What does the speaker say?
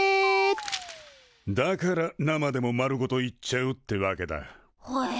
だから生でも丸ごといっちゃうってわけだ。ほえ。